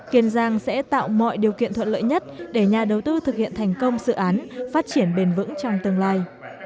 kiên giang sẽ tạo mọi điều kiện thuận lợi nhất để nhà đầu tư thực hiện thành công dự án phát triển bền vững trong tương lai